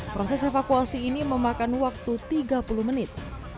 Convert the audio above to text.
proses evakuasi ini memakan waktu tiga puluh menit